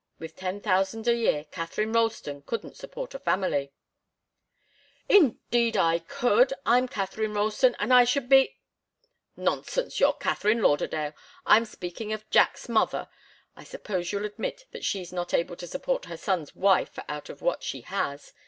With ten thousand a year Katharine Ralston couldn't support a family " "Indeed, I could! I'm Katharine Ralston, and I should be " "Nonsense! You're Katharine Lauderdale. I'm speaking of Jack's mother. I suppose you'll admit that she's not able to support her son's wife out of what she has.